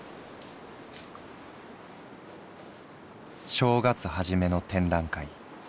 「正月はじめの展覧会